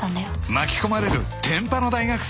［巻き込まれる天パの大学生］